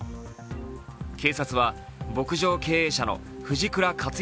警察は牧場経営者の藤倉香津靖